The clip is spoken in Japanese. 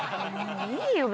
いいよ